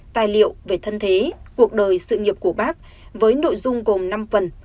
tài liệu về thân thế cuộc đời sự nghiệp của bác với nội dung gồm năm phần